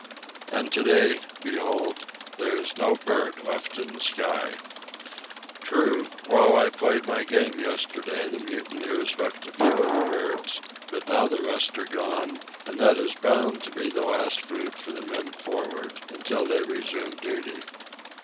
And to day, behold, there is no bird left in the sky. True, while I played my game yesterday, the mutineers hooked a few of the birds; but now the rest are gone, and that is bound to be the last food for the men for'ard until they resume duty.